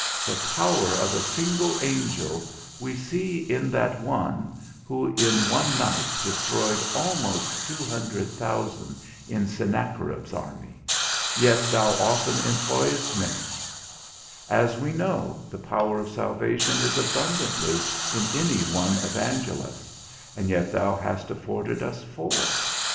The power of a single angel we see in that one, who in one night destroyed almost two hundred thousand in Sennacherib's army, yet thou often employest many; as we know the power of salvation is abundantly in any one evangelist, and yet thou hast afforded us four.